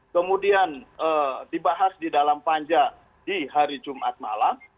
kemudian dibahas di dalam panja di hari jumat malam